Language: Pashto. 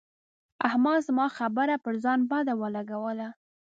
احمد زما خبره پر ځان بده ولګوله.